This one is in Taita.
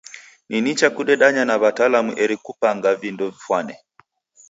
Ni nicha kudedanya na w'atalamu eri kupanga vindo vifwane.